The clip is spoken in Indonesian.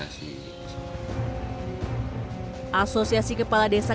asosiasi kepala desa kecamatan duduk sampean govar